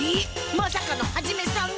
まさかのハジメさんが？